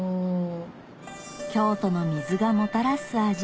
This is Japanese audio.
京都の水がもたらす味